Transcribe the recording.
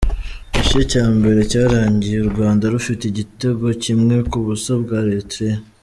Igice cya mbere cyarangiye u rwanda rufite ikitego kimwe ku busa bwa Eritrea.